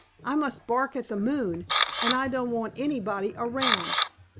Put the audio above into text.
I must bark at the moon, and I don't want anybody around."